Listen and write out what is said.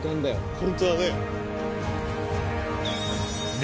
本当だね。